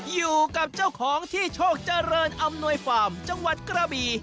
อยู่กับเจ้าของที่โชคเจริญอำนวยฟาร์มจังหวัดกระบี่